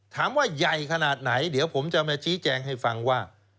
ถามว่าใหญ่ขนาดไหนเดี๋ยวผมจะมาชี้แจงให้ฟังว่า